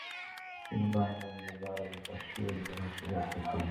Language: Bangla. তিনি বাংলা, ইংরেজি, আরবি, ফারসি ও উর্দু ভাষায় দক্ষ ছিলেন।